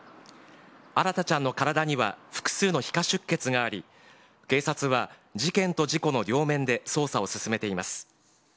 新太ちゃんの体には複数の皮下出血があり、警察は、事件と事故の両面で捜査を進めています。